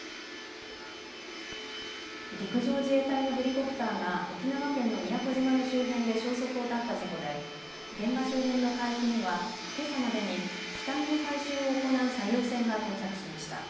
陸上自衛隊のヘリコプターが沖縄県の宮古島の周辺で消息を絶った事故で現場周辺の海域には、けさまでに機体の回収を行う作業船が到着しました。